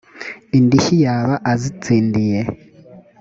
indishyi yaba azitsindiye.